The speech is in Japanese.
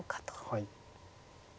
はい。